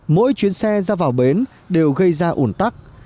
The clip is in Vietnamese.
mỗi chuyến xe ra vào bến đều gây ra ủn tắc